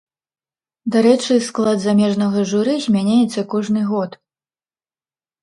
Дарэчы, склад замежнага журы змяняецца кожны год.